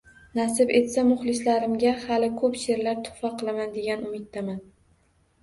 Nasib etsa, muxlislarimga hali ko‘p she’rlar tuhfa qilaman degan umiddaman.